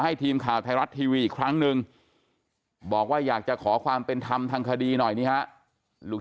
หนึ่งบอกว่าอยากจะขอความเป็นธรรมทางคดีหน่อยนี่ฮะลูก